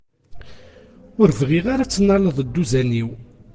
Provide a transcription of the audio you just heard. Ur bɣiɣ ara ad tennaleḍ dduzan-iw.